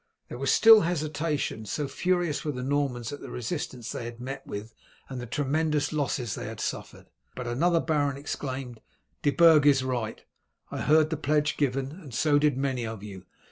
There was still hesitation, so furious were the Normans at the resistance they had met with and the tremendous losses they had suffered. But another baron exclaimed, "De Burg is right! I heard the pledge given, and so did many of you.